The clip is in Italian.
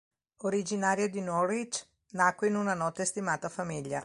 Originaria di Norwich, nacque in una nota e stimata famiglia.